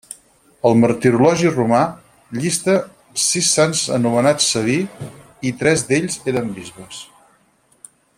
El martirologi romà llista sis sants anomenats Sabí i tres d'ells eren bisbes.